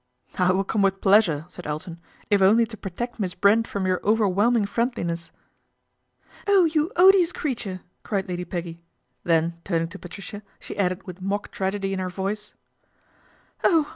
" I will come with pleasure," said Elton, " if only to protect Miss Brent from your overwhelm ing friendliness." " Oh, you odious creature !" cried Lady Peggy, then turning to Patricia she added with mock tragedy in her voice, " Oh